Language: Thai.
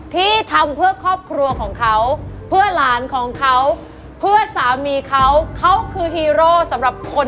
ทุกคนรอบหน้าหลีกในร้าน